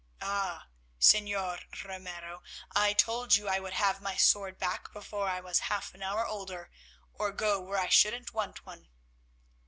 Ah! Señor Ramiro, I told you I would have my sword back before I was half an hour older, or go where I shouldn't want one."